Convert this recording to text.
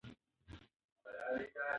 لیکنه باید معیاري وي.